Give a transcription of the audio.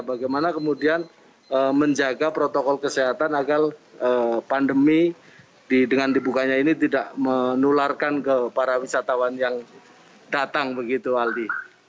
bagaimana kemudian menjaga protokol kesehatan agar pandemi dengan dibukanya ini tidak menularkan ke para wisatawan yang datang begitu aldi